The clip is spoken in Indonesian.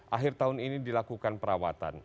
akhir tahun ini dilakukan perawatan